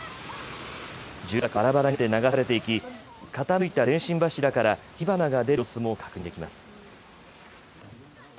住宅はばらばらになって流されていき傾いた電信柱から火花が出る様子も確認できます。